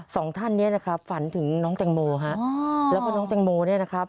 สองท่านนี้นะครับฝันถึงน้องแตงโมฮะแล้วก็น้องแตงโมเนี่ยนะครับ